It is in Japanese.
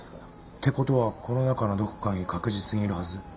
って事はこの中のどこかに確実にいるはず。